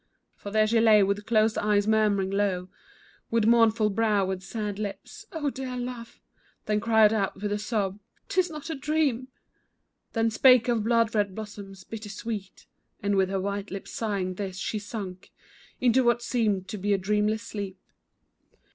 For there she lay with closed eyes murmuring low, With mournful brow and sad lips, "oh, dear love." Then cried out with a sob, "'tis not a dream." Then spake of blood red blossoms, bitter, sweet, And with her white lips sighing this, she sunk Into what seemed to be a dreamless sleep.